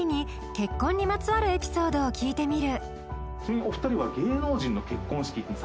結婚にまつわるエピソードを聞いてみる